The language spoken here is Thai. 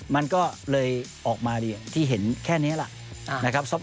มันก็เลยออกมาที่เห็นแค่นี้แหละนะครับ